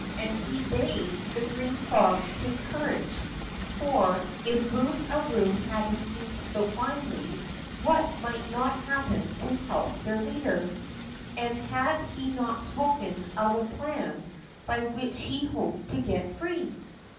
And he bade the green frogs take courage, for, if Boom a Room had escaped so finely, what might not hap pen to help their leader ? And had he not spoken of a plan by which he hoped to get free